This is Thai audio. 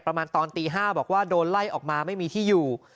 ประมาณตอนตี๕บอกว่าโดนไล่ออกมาไม่มีที่อยู่